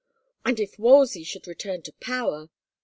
And if Wolsey should return to power!